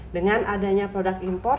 dengan adanya produk impor